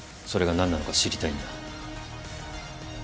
それが何なのか知りたいんだ